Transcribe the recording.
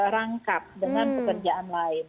rangkap dengan pekerjaan lain